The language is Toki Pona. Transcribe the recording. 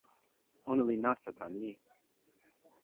ona li nasa tan ni.